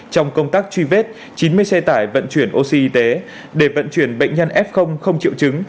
trong công tác truy vết chín mươi xe tải vận chuyển oxy để vận chuyển bệnh nhân f không triệu chứng